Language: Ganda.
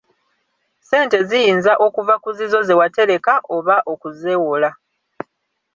Ssente ziyinza okuva ku zizo ze watereka oba okuzeewola.